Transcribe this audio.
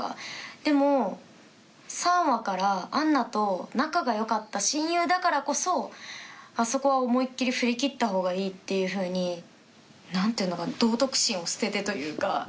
でも３話からアンナと仲が良かった親友だからこそあそこは思いっきり振り切ったほうがいいっていうふうに何ていうのかな道徳心を捨ててというか。